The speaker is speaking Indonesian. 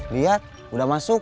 liat udah masuk